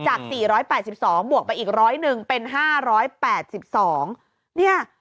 จากสี่ร้อยแปดสิบสองบวกไปอีกร้อยหนึ่งเป็นห้าร้อยแปดสิบสองเนี้ย